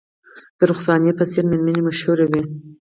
د رخسانې په څیر میرمنې مشهورې وې